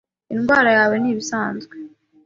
Indwara yawe ni ibisanzwe.